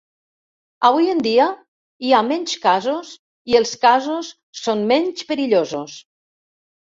Avui en dia, hi ha menys casos i els casos són menys perillosos.